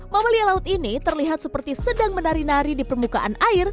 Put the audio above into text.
mamalia laut ini terlihat seperti sedang menari nari di permukaan air